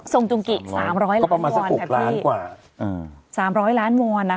ทรงจุงกิ๓๐๐ล้านวอนประมาณสัก๖ล้านกว่า๓๐๐ล้านวอนนะคะ